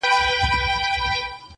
په هره څانګه هر پاڼه کي ویشتلی چنار-